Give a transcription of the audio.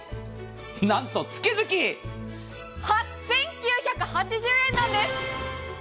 なんと月々８９８０円なんです！